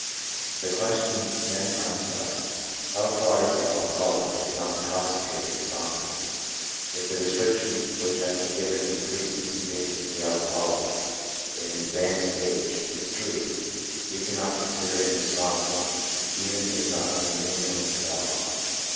The question then comes to us, How far is the alcoholic, if not intoxicated, responsible? If the description which has been given in the preceding pages of the alcoholic in an advanced stage is true, we cannot consider him responsible even if not under the influence of alcohol.